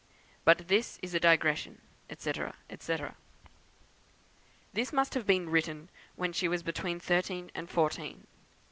But this is a digression," &c., &c. This must have been written when she was between thirteen and fourteen.